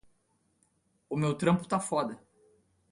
O meu trampo tá foda